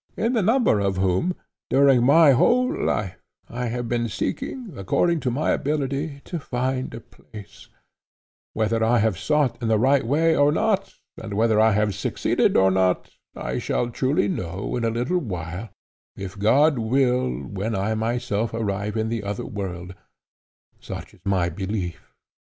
In the number of whom, during my whole life, I have been seeking, according to my ability, to find a place;—whether I have sought in a right way or not, and whether I have succeeded or not, I shall truly know in a little while, if God will, when I myself arrive in the other world—such is my belief.